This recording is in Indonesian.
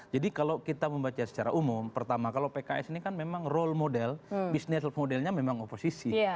jadi kalau kita membaca secara umum pertama kalau pks ini kan memang role model business modelnya memang oposisi